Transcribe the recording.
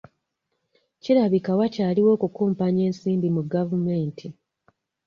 Kirabika wakyaliwo okukumpanya ensimbi mu gavumenti.